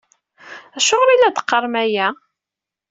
Acuɣer i la teqqarem aya?